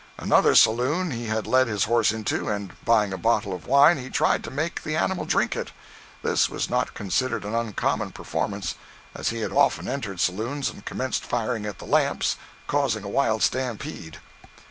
Another saloon he had led his horse into, and buying a bottle of wine, he tried to make the animal drink it. This was not considered an uncommon performance, as he had often entered saloons and commenced firing at the lamps, causing a wild stampede.